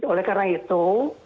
oleh karena itu